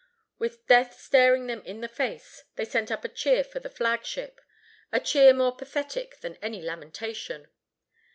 With death staring them in the face, they sent up a cheer for the flagship; a cheer more pathetic than any lamentation.